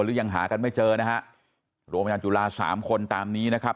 หรือยังหากันไม่เจอนะฮะโรงพยาบาลจุฬาสามคนตามนี้นะครับ